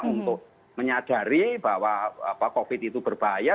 untuk menyadari bahwa covid itu berbahaya